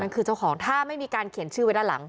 คือเจ้าของถ้าไม่มีการเขียนชื่อไว้ด้านหลัง